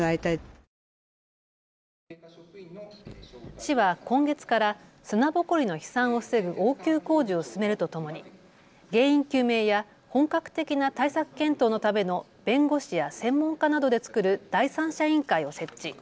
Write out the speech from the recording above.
市は今月から砂ぼこりの飛散を防ぐ応急工事を進めるとともに原因究明や本格的な対策検討のための弁護士や専門家などで作る第三者委員会を設置。